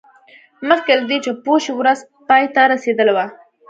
مخکې له دې چې پوه شي ورځ پای ته رسیدلې وه